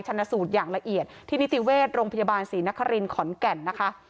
ชนะสูตรอย่างละเอียดที่นิติเวชโรงพยาบาลศรีนครินขอนแก่นนะคะ